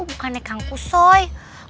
bukannya kanku soya